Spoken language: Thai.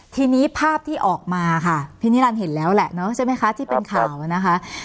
ทีนี้ภาพที่ออกมาค่ะพี่นิรันดิ์เห็นแล้วแหละเนอะใช่ไหมคะที่เป็นข่าวนะคะ